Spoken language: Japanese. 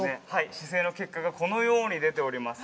姿勢の結果がこのように出ております。